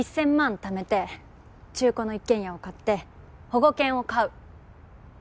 ためて中古の一軒家を買って保護犬を飼う。